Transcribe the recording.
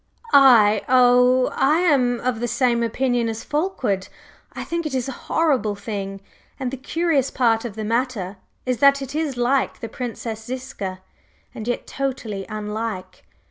"I? Oh, I am of the same opinion as Fulkeward, I think it is a horrible thing. And the curious part of the matter is that it is like the Princess Ziska, and yet totally unlike.